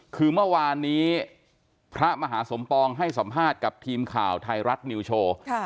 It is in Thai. คือเมื่อวานนี้พระมหาสมปองให้สัมภาษณ์กับทีมข่าวไทยรัฐนิวโชว์